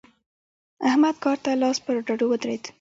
احمد کار ته لاس پر ډډو ودرېد.